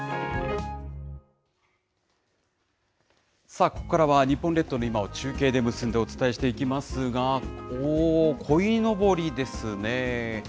さあ、ここからは日本列島の今を中継で結んでお伝えしていきますが、おー、こいのぼりですね。